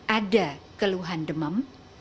ada keluhan demam